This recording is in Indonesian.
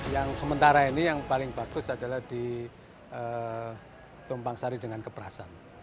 yang sementara ini yang paling bagus adalah di tumpang sari dengan keprasan